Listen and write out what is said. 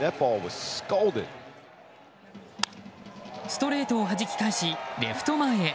ストレートをはじき返しレフト前へ。